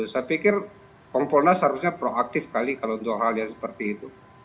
saya pikir kompolnas seharusnya proaktif kali kalau untuk hal yang seperti itu